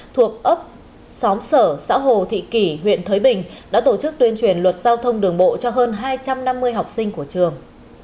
thuộc ấp xóm sở xã hồ thị kỷ huyện thới bình đã tổ chức tuyên truyền luật giao thông đường bộ cho hơn hai trăm năm mươi học sinh của trường